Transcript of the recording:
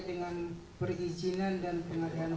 dengan perizinan dan pengadaan